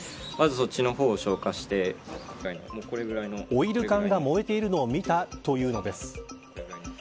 オイル缶が燃えているのを見たというのです。